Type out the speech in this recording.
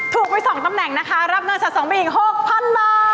ถูกไว้๒ตำแหน่งนะคะรับเงินชาติสองบีอิง๖๐๐๐บาท